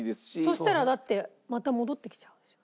そしたらだってまた戻ってきちゃうじゃん。